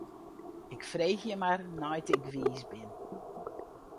Ik freegje mar nei't ik wiis bin.